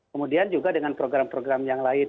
kemudian juga dengan program program yang lain